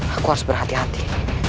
aku harus berhati hati